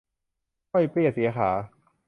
ง่อยเปลี้ยเสียขา